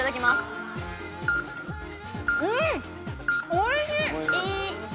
おいしい！